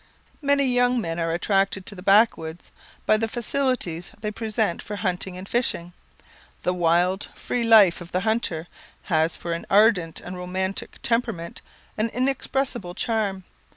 Many young men are attracted to the Backwoods by the facilities they present for hunting and fishing. The wild, free life of the hunter, has for an ardent and romantic temperament an inexpressible charm.